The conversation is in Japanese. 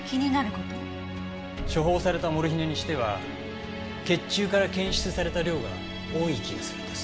処方されたモルヒネにしては血中から検出された量が多い気がするんです。